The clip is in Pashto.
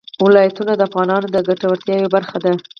ولایتونه د افغانانو د ګټورتیا یوه برخه ده.